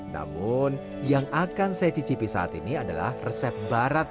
namun yang akan saya cicipi saat ini adalah resep barat